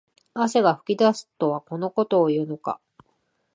汗が噴き出すとはこのことを言うのか